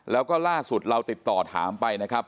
แล้วก็ล่าสุดเราติดต่อถามไปนะครับ